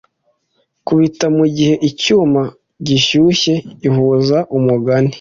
kubita mugihe icyuma gishyushye ihuza umugani